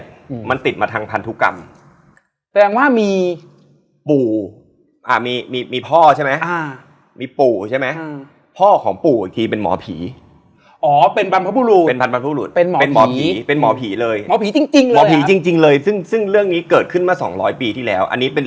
ใช่มันเป็นภาษาจีน